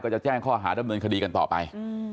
ก็จะแจ้งข้ออาหารด้านเมืองคดีกันต่อไป